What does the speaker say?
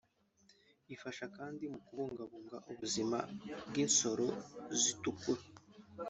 ifasha kandi mu kubungabunga ubuzima bw’insoro zitukura